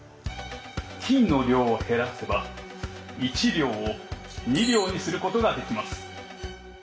金の量を減らせば１両を２両にすることができます。